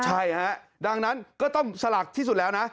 ใช่ฮะดังนั้นก็ต้องสลักที่สุดแล้วนะ